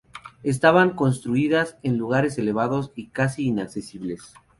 Estaban construidas en lugares elevados y casi inaccesibles.